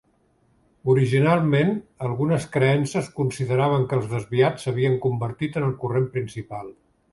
Originalment algunes creences consideraven que els desviats s'havien convertit en el corrent principal.